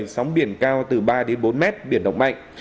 sóng biển cao từ ba đến bốn mét biển động mạnh